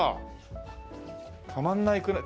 たまんないくらい。